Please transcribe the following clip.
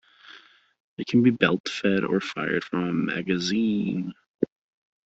It can be belt fed or fired from a magazine.